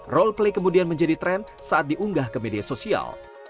roleplay kemudian menjadi tren saat diunggah ke media sosial